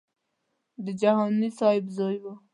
د جهاني صاحب زوی و.